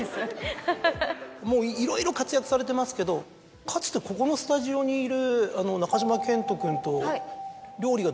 もういろいろ活躍されてますけどかつてここのスタジオにいる中島健人君と。